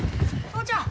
お父ちゃん！